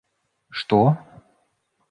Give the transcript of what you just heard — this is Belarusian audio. — Што?